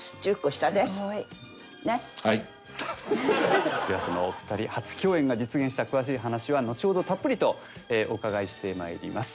ではそのお二人初共演が実現した詳しい話は後ほどたっぷりとお伺いしてまいります。